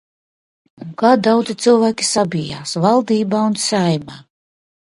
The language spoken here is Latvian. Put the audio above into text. Un kā daudzi cilvēki sabijās valdībā un Saeimā!